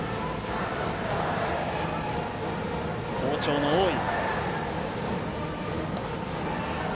好調の大井。